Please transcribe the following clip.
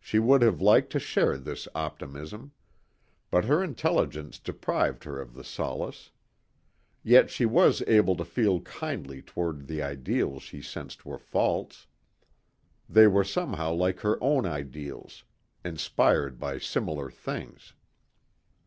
She would have liked to share this optimism. But her intelligence deprived her of the solace. Yet she was able to feel kindly toward the ideals she sensed were false. They were somehow like her own ideals inspired by similar things.